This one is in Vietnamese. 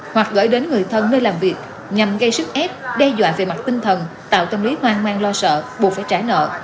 hoặc gửi đến người thân nơi làm việc nhằm gây sức ép đe dọa về mặt tinh thần tạo tâm lý hoang mang lo sợ buộc phải trả nợ